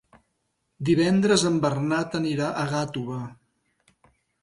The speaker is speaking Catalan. Divendres en Bernat anirà a Gàtova.